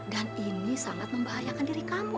dan ini sangat membahayakan diri kamu